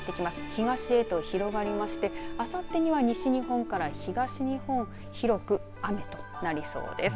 東へと広がりましてあさってには西日本から東日本は広く雨となりそうです。